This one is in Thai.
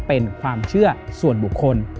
เป็นความเชื่อส่วนบุคคล